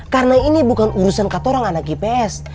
karena ini bukan urusan katorang anak ips